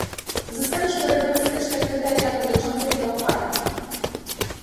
Uzyskaliśmy rygorystyczne kryteria dotyczące biopaliw